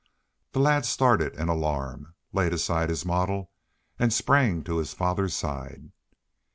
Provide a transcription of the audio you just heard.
The lad started in alarm, laid aside his model, and sprang to his father's side.